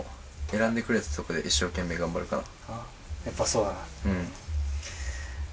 選んでくれたところで一生懸命頑張るから。